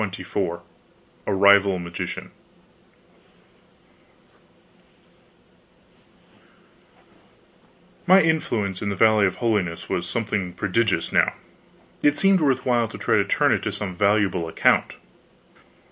CHAPTER XXIV A RIVAL MAGICIAN My influence in the Valley of Holiness was something prodigious now. It seemed worth while to try to turn it to some valuable account.